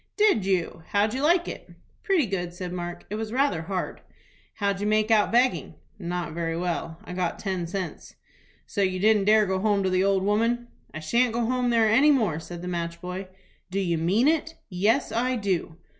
"Did you? How'd you like it?" "Pretty good," said Mark. "It was rather hard." "How'd you make out begging?" "Not very well. I got ten cents." "So you didn't dare to go home to the old woman?" "I shan't go home there any more," said the match boy. "Do you mean it?" "Yes, I do."